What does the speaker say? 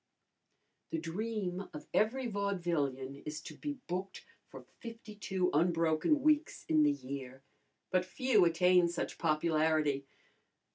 The dream of every vaudevillian is to be booked for fifty two unbroken weeks in the year, but few attain such popularity.